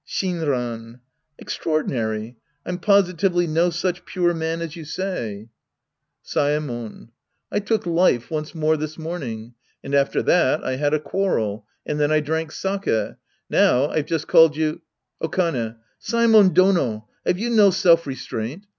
Shinran. Extraordinaiy ! I'm positively no such pure man as you say. « Sc. I The Priest and His Disciples 29 Saemon. I took life once more this morning. And after that I had a quarrel. And then I drank sakc' Now, I've just called you — Okane. Saemon Dono ! Have you no self re straint